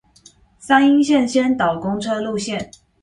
三鶯線先導公車路線